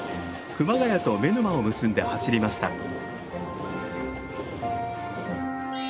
熊谷と妻沼を結んで走りました。